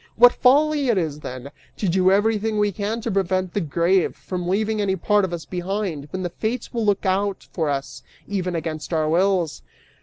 What folly it is, then, to do everything we can to prevent the grave from leaving any part of us behind {when the Fates will look out for us, even against our wills."